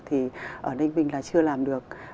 thì ở ninh vinh là chưa làm được